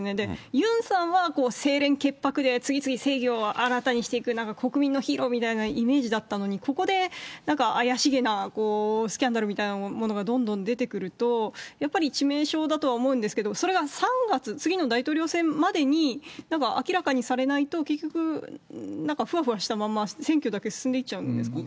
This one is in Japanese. ユンさんは清廉潔白で、次々正義を新たにしていく、国民のヒーローみたいなイメージだったのに、ここで怪しげなスキャンダルみたいなものがどんどん出てくると、やっぱり致命傷だとは思うんですけれども、それが３月、次の大統領選までに、なんか明らかにされないと、結局、ふわふわしたまんま、選挙だけ進んでいっちゃうんですかね。